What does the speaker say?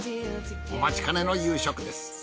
お待ちかねの夕食です。